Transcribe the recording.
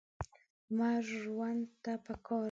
لمر ژوند ته پکار دی.